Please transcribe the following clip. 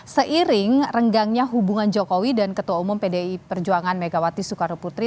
seiring renggangnya hubungan jokowi dan ketua umum pdi perjuangan megawati soekarno putri